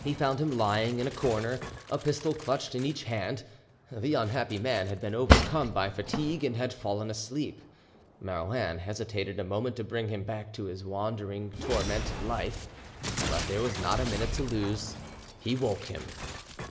He found him lying in a corner, a pistol clutched in each hand. The unhappy man had been overcome by fatigue and had fallen asleep. Marouin hesitated a moment to bring him back to his wandering, tormented life, but there was not a minute to lose. He woke him.